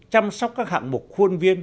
chăm sóc các hạng mục khuôn viên